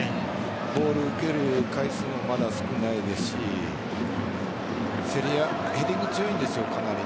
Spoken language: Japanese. ボール受ける回数もまだ少ないですしヘディング強いんですよ、かなり。